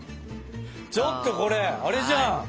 ちょっとこれあれじゃん！